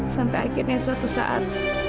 sampai akhirnya suatu saat